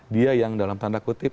dia yang dalam tanda kutip